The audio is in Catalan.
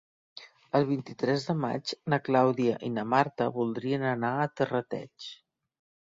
El vint-i-tres de maig na Clàudia i na Marta voldrien anar a Terrateig.